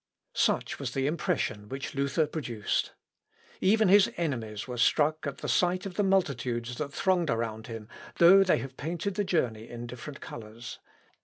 " Such was the impression which Luther produced. Even his enemies were struck at the sight of the multitudes that thronged around him, though they have painted the journey in different colours.